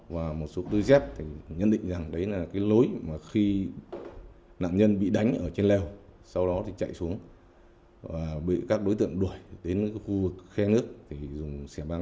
và một số đôi dép thì nhân định rằng đấy là cái lối mà khi nạn nhân bị đánh ở trên leo sau đó thì chạy xuống và bị các đối tượng đuổi đến cái khu khe nước thì sẽ mang đâm chết nạn nhân